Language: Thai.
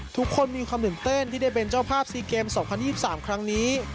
ทุกคนมีความตื่นเต้นที่ได้เป็นเจ้าภาพซีเกมสองพันยี่สามครั้งนี้